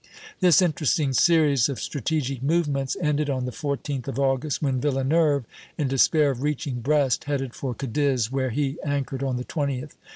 This interesting series of strategic movements ended on the 14th of August, when Villeneuve, in despair of reaching Brest, headed for Cadiz, where he anchored on the 20th.